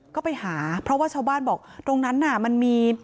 ก็ไปหาเพราะว่าชาวบ้านบอกตรงนั้นน่ะมันมี